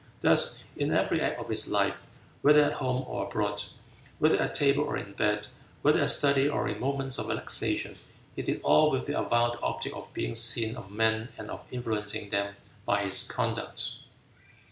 Thus in every act of his life, whether at home or abroad, whether at table or in bed, whether at study or in moments of relaxation, he did all with the avowed object of being seen of men and of influencing them by his conduct.